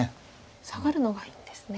サガるのがいいんですね。